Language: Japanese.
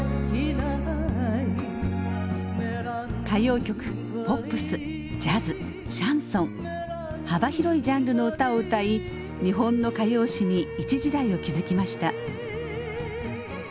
歌謡曲ポップスジャズシャンソン幅広いジャンルの歌を歌い日本の歌謡史に一時代を築きました。